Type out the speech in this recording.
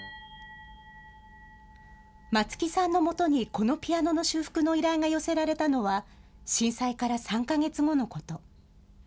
松木さんのもとにこのピアノの修復の依頼が寄せられたのは、震災から３か月後のこと。